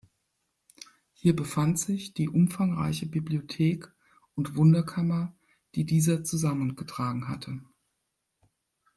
Hier befand sich die umfangreiche Bibliothek und Wunderkammer, die dieser zusammengetragen hatte.